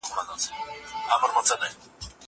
زه به سبا مکتب ته ځم!